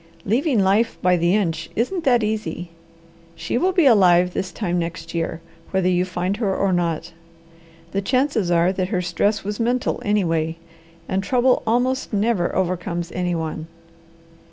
Leaving life by the inch isn't that easy. She will be alive this time next year, whether you find her or not. The chances are that her stress was mental anyway, and trouble almost never overcomes any one."